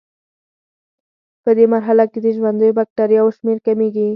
پدې مرحله کې د ژوندیو بکټریاوو شمېر کمیږي.